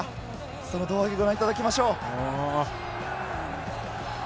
その胴上げ、ご覧いただきましょう。